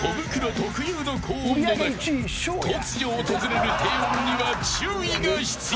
特有の高音の中突如、訪れる低音には注意が必要。